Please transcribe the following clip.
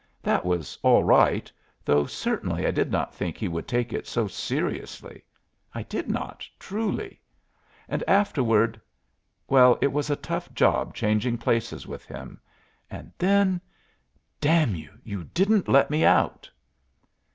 That was all right, though certainly I did not think he would take it so seriously; I did not, truly. And afterward well, it was a tough job changing places with him, and then damn you! you didn't let me out!"